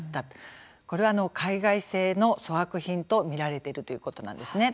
これは海外製の粗悪品と見られているということなんです。